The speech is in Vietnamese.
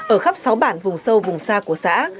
ở khắp sáu bản vùng sâu vùng xa của xã